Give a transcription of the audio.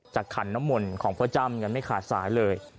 จากขันน้ำมนของพระจำกันไม่ขาดสายเลย